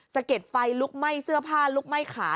เก็ดไฟลุกไหม้เสื้อผ้าลุกไหม้ขา